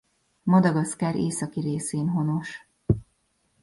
Madagaszkár északi részén honos.